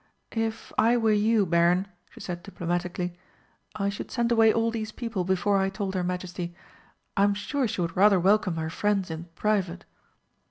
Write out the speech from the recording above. "If I were you, Baron," she said diplomatically, "I should send away all these people before I told her Majesty. I am sure she would rather welcome her friends in private."